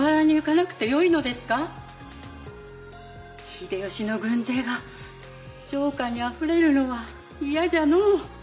秀吉の軍勢が城下にあふれるのは嫌じゃのう。